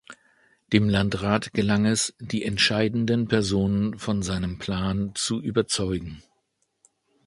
Dem Landrat gelang es, die entscheidenden Personen von seinem Plan zu überzeugen.